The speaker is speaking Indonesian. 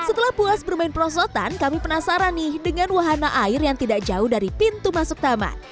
setelah puas bermain perosotan kami penasaran nih dengan wahana air yang tidak jauh dari pintu masuk taman